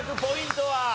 ポイントは？